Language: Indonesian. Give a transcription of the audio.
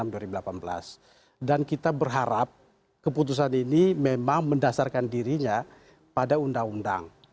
kita berharap keputusan ini memang mendasarkan dirinya pada undang undang